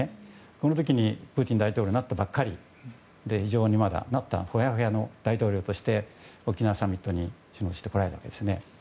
その時に、プーチン大統領がなったばかりでほやほやの大統領として沖縄サミットに来られたんですね。